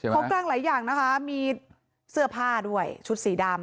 ของกลางหลายอย่างนะคะมีเสื้อผ้าด้วยชุดสีดำ